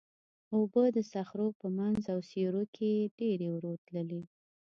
اوبه د صخرو په منځ او سیوري کې ډېرې ورو تللې.